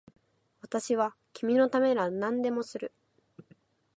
私は君のためなら何でもする